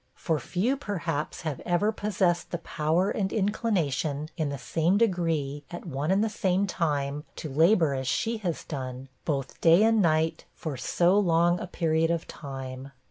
For few, perhaps, have ever possessed the power and inclination, in the same degree, at one and the same time, to labor as she has done, both day and night, for so long a period of time.